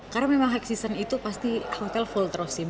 karena memang high season itu pasti hotel full terus